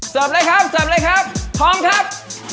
เลยครับเสิร์ฟเลยครับพร้อมครับ